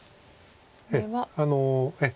これは。